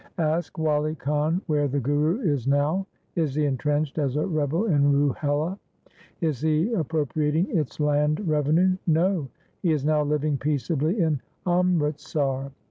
Ask Wali Khan where the Guru is now. Is he entrenched as a rebel in Ruhela ? Is he appropri ating its land revenue ? No ; he is now living peaceably in Amritsar.